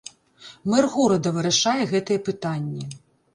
Мэр горада вырашае гэтыя пытанні.